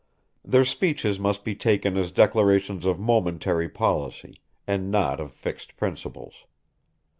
Their speeches must be taken as declarations of momentary policy, and not of fixed principles.